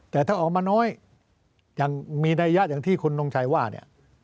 แต่ถ้าออกมาน้อยอย่างมีนัยยะอย่างที่คุณทงชัยว่าเนี่ย